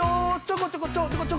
こちょこちょこちょ